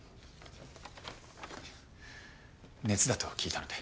熱だと聞いたので。